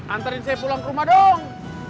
antarin saya pulang ke rumah dong